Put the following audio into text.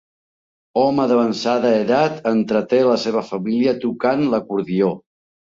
Home d'avançada edat entreté la seva família tocant l'acordió